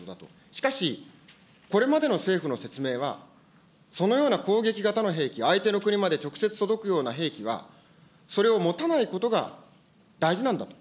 しかし、これまでの政府の説明は、そのような攻撃型の兵器、相手の国まで直接届くような兵器は、それを持たないことが大事なんだと。